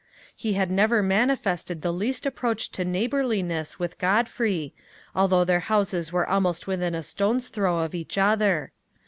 He had never manifested the least approach to neighborliness with Godfrey, although their houses were almost within a stone's throw of each other.